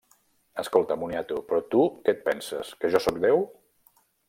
Escolta, moniato, però tu què et penses, que jo sóc Déu?